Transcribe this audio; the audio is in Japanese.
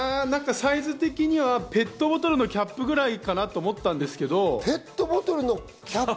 サイズ的にはペットボトルのキャップくらいかなと思ったんですけど。